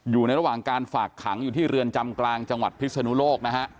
อยู่ในระหว่างการฝากขังอยู่ที่เรือนจำกลางจังหวัดพิศนุโลกนะฮะ